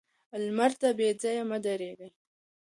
لمر ته بې ځايه مه درېږه